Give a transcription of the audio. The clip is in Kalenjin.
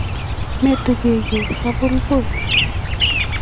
Metukyigei sabulbu